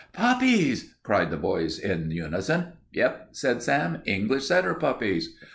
"Puppies!" cried the boys in unison. "Yep," said Sam. "English setter puppies."